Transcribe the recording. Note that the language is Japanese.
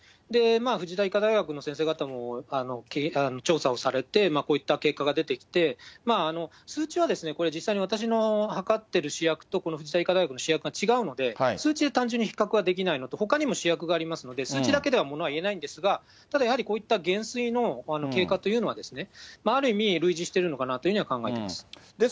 藤田医科大学の先生方も調査をされて、こういった結果が出てきて、数値はこれ、実際、私の測ってる試薬とこの藤田医科大学の試薬が違うので、数値が単純に比較ができないのと、ほかにも試薬がありますので、数値だけではものは言えないんですが、ただやはりこういった減衰の経過というのは、ある意味類似しているのかなというふうには考えています。